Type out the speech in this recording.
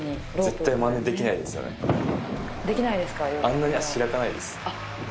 あんなに脚開かないです。